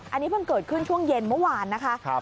อันนี้เพิ่งเกิดขึ้นช่วงเย็นเมื่อวานนะคะ